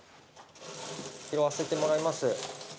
「拾わせてもらいます」